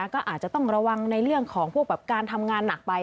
ก็อาจจะต้องระวังในเรื่องของพวกการทำงานหนักไป